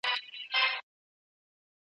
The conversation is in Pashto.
ولي بيولوژيکي علتونه رد سول؟